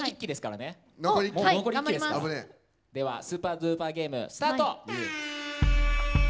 「スーパードゥーパーゲーム」スタート！